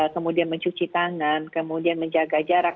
kemudian mencuci tangan kemudian menjaga jarak